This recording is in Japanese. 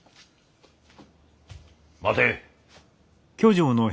待て。